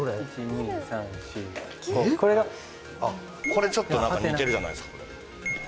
これちょっと似てるじゃないですか。